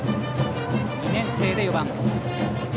２年生で４番。